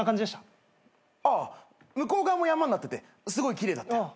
向こう側も山になっててすごい奇麗だったよ。